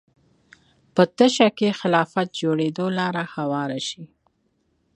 په تشه کې خلافت جوړېدو لاره هواره شي